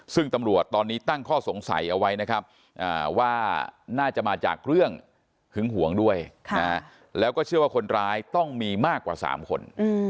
ซึ่งตำรวจตอนนี้ตั้งข้อสงสัยเอาไว้นะครับว่าน่าจะมาจากเรื่องหึงหวงด้วยแล้วก็เชื่อว่าคนร้ายต้องมีมากกว่า๓คน